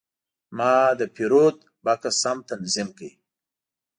ما د پیرود بکس سم تنظیم کړ.